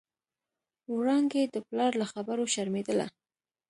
وړانګې د پلار له خبرو شرمېدله.